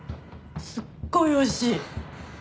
すっごいおいしい。